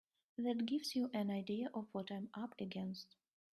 That gives you an idea of what I'm up against.